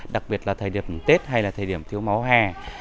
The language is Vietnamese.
đặc biệt là thời điểm tết hay là thời điểm thiếu máu hè